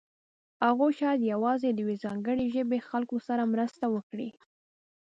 هغوی شاید یوازې د یوې ځانګړې ژبې خلکو سره مرسته وکړي.